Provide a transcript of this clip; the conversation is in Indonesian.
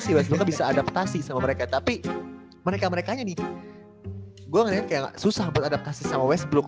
sih bisa adaptasi sama mereka tapi mereka mereka ini gua kayak susah beradaptasi sama westbrook